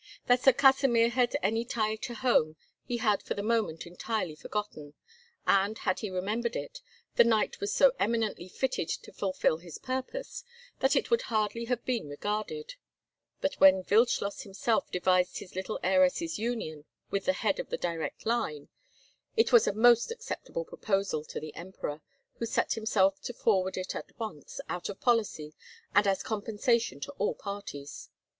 That Sir Kasimir had any tie to home he had for the moment entirely forgotten; and, had he remembered it, the knight was so eminently fitted to fulfil his purpose, that it could hardly have been regarded. But, when Wildschloss himself devised his little heiress's union with the head of the direct line, it was a most acceptable proposal to the Emperor, who set himself to forward it at once, out of policy, and as compensation to all parties.